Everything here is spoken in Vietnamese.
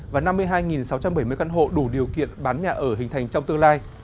và năm mươi hai sáu trăm bảy mươi căn hộ đủ điều kiện bán nhà ở hình thành trong tương lai